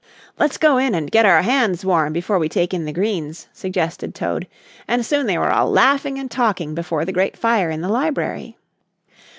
"Let's go in and get our hands warm before we take in the greens," suggested Toad, and soon they were all laughing and talking before the great fire in the library.